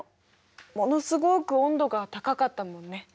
ものすごく温度が高かったもんね。